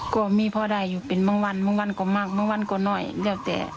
ก็มีเพราะว่าได้อยู่อยู่เป็นบางวันบางวันก็มากบางวันก็มีก็เงาแต่